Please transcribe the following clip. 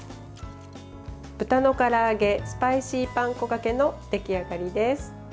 豚のから揚げスパイシーパン粉がけの出来上がりです。